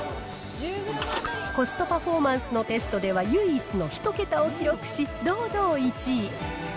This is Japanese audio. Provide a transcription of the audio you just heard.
コストパフォーマンスのテストでは唯一の１桁を記録し、堂々１位。